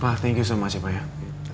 mas terima kasih banyak ya